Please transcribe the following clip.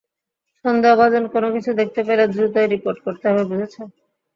সন্দেহভাজন কোনো কিছু দেখতে পেলে দ্রুতই রিপোর্ট করতে হবে, বুঝেছ?